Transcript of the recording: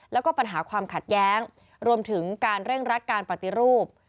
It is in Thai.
แล้วก็ปัญหาความขัดแย้งรวมถึงการเร่งรัดการปฏิรูป